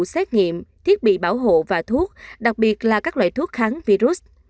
các loại thuốc sát nghiệm thiết bị bảo hộ và thuốc đặc biệt là các loại thuốc kháng virus